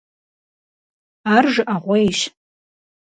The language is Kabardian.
Ар жыӀэгъуейщ.